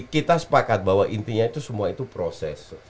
kita sepakat bahwa intinya itu semua itu proses